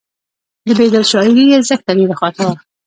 د بیدل شاعري یې زښته ډېره خوښه وه